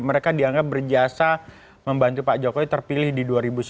mereka dianggap berjasa membantu pak jokowi terpilih di dua ribu sembilan belas